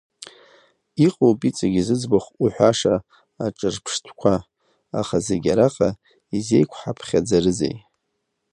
Иҟоуп иҵегьы зыӡбахә уҳәаша аҿырԥштәқәа, аха зегьы араҟа изеиқәаҳԥхьаӡарызеи.